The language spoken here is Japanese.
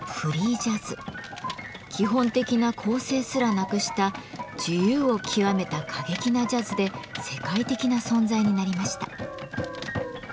基本的な構成すらなくした自由を極めた過激なジャズで世界的な存在になりました。